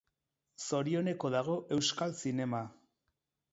Zorioneko dago euskal zinema.